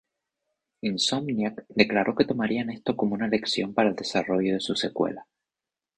Insomniac declaró que tomarían esto como una lección para el desarrollo de su secuela.